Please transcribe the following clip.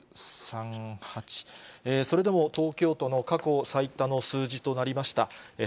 それでも東京都の過去最多の数字となりました。